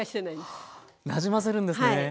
なじませるんですね。